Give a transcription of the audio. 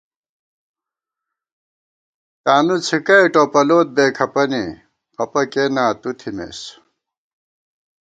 تانُو څھِکَئے ٹوپَلوت، بےکھپَنے، خپہ کېناں تُو تھِمېس